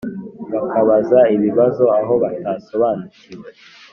bakabaza ibibazo aho batasobanukiwe.